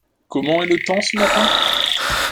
Comment est le temps ce matin ?